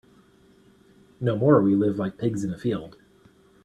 No more we live like pigs in the field.